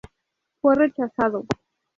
Fue rechazado.